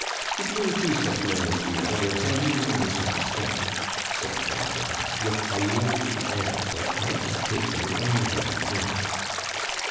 "Between two such men as we are there can be no misunderstanding," said Corentin, with a lordly air that might have taken anybody in.